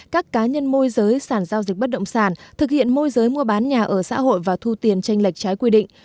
các cá nhân môi giới sản giao dịch bất động sản thực hiện môi giới mua bán nhà ở xã hội và thu tiền tranh lệch trái quy định